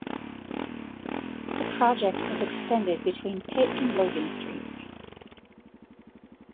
The project was extended between Pitt and Logan Sts.